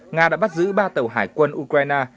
nga đã bắt giữ ba tàu hải quân ukraine